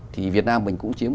thì việt nam mình cũng chiếm